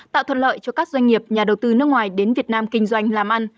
tạo thuận lợi cho các doanh nghiệp nhà đầu tư nước ngoài đến việt nam kinh doanh làm ăn